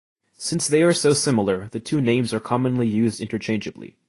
Since they are so similar, the two names are commonly used interchangeably.